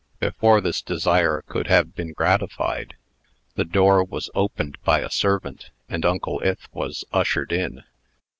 Before this desire could have been gratified, the door was opened by a servant, and Uncle Ith was ushered in.